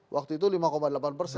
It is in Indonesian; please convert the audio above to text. waktu itu lima delapan persen